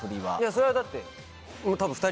それはだって多分。